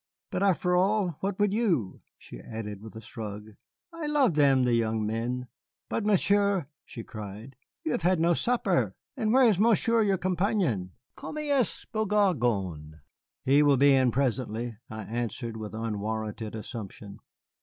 But, after all, what would you?" she added with a shrug; "I love them, the young men. But, Monsieur," she cried, "you have had no supper! And where is Monsieur your companion? Comme il est beau garçon!" "He will be in presently," I answered with unwarranted assumption.